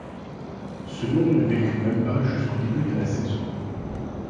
Ce nom ne vécut même pas jusqu’au début de la saison.